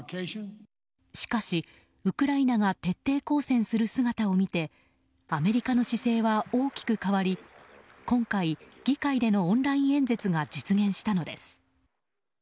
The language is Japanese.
しかし、ウクライナが徹底抗戦する姿を見てアメリカの姿勢は大きく変わり今回、議会でのオンライン演説が実現したのです。